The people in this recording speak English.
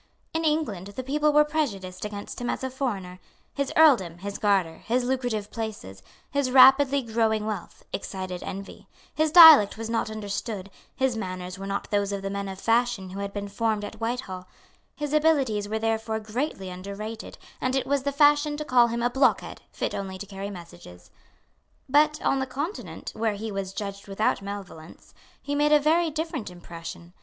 In England, the people were prejudiced against him as a foreigner; his earldom, his garter, his lucrative places, his rapidly growing wealth, excited envy; his dialect was not understood; his manners were not those of the men of fashion who had been formed at Whitehall; his abilities were therefore greatly underrated; and it was the fashion to call him a blockhead, fit only to carry messages. But, on the Continent, where he was judged without malevolence, he made a very different impression.